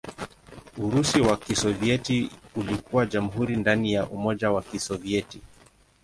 Urusi wa Kisovyeti ulikuwa jamhuri ndani ya Umoja wa Kisovyeti.